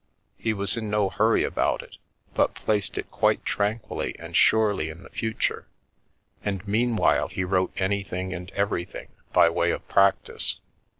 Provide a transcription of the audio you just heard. He was in no hurry about it, but placed it quite tranquilly and surely in the future, and meanwhile he wrote anything and everything by way of practice.